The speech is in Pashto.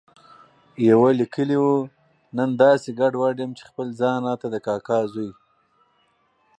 يوه ليکلي و، نن داسې ګډوډ یم چې خپل ځان راته د کاکا زوی